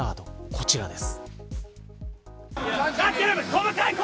こちらです。